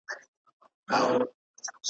په ځنگله کی به آزاد یې د خپل سر یې `